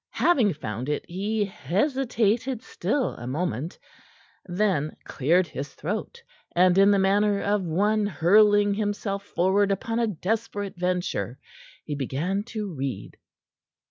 Having found it, he hesitated still a moment, then cleared his throat, and in the manner of one hurling himself forward upon a desperate venture, he began to read.